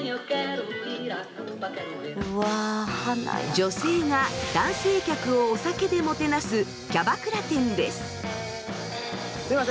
女性が男性客をお酒でもてなすキャバクラ店です。